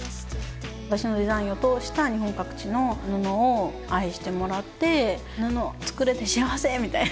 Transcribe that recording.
私のデザインを通した日本各地の布を愛してもらって布作れて幸せみたいな。